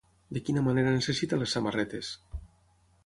De quina manera necessita les samarretes?